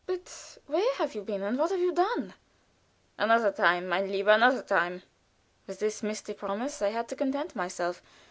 "But where have you been, and what have you done?" "Another time, mein lieber another time!" With this misty promise I had to content myself.